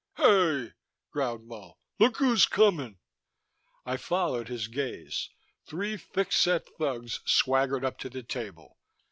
"Hey!" growled Mull. "Look who's comin'." I followed his gaze. Three thick set thugs swaggered up to the table.